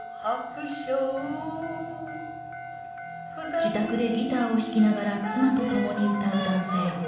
自宅でギターを弾きながら妻とともに歌う男性。